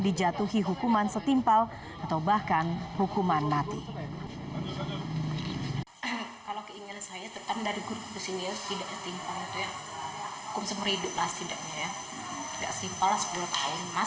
dijatuhi hukuman setimpal atau bahkan hukuman mati